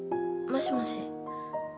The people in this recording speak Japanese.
もしもし。